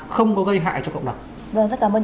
không có gây hại cho cộng đồng rất cảm ơn